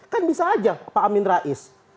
kan bisa aja pak amin rais